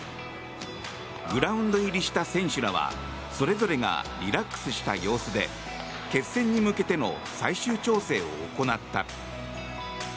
グラウンド入りした選手らはそれぞれがリラックスした様子で決戦に向けての最終調整を行った。